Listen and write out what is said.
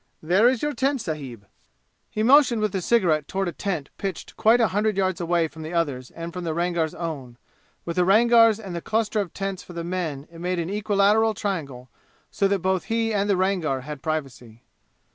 "There is your tent, sahib." He motioned with the cigarette toward a tent pitched quite a hundred yards away from the others and from the Rangar's own; with the Rangar's and the cluster of tents for the men it made an equilateral triangle, so that both he and the Rangar had privacy.